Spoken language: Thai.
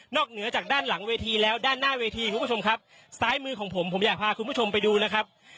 เหนือจากด้านหลังเวทีแล้วด้านหน้าเวทีคุณผู้ชมครับซ้ายมือของผมผมอยากพาคุณผู้ชมไปดูนะครับ